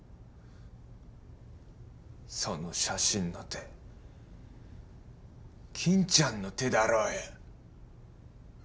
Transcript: その写真の手金ちゃんの手だろうよ！